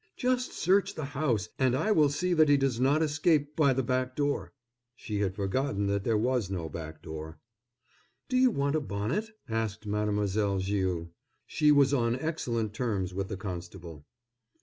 "Just search the house, and I will see that he does not escape by the back door." She had forgotten that there was no back door. "Do you want a bonnet?" asked Mademoiselle Viau. She was on excellent terms with the constable.